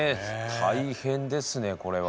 大変ですねこれは。